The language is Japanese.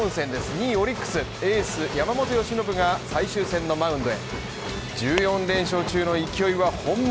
２位、オリックス、エース・山本由伸が最終戦のマウンドへ、１４連勝中の勢いは本物。